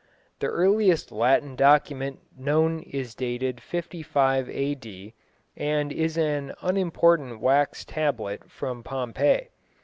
The earliest Latin document known is dated 55 A.D., and is an unimportant wax tablet from Pompeii.